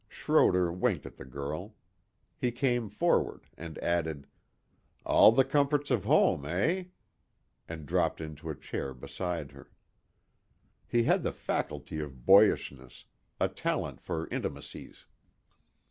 Schroder winked at the girl. He came forward, and added, "All the comforts of home, eh?" And dropped into a chair beside her. He had the faculty of boyishness, a talent for intimacies.